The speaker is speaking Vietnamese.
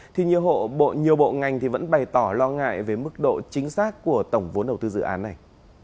thì nhiều bộ ngành vẫn bày tỏ lo ngại về mức độ chính xác của tổng vốn đầu tư dự án này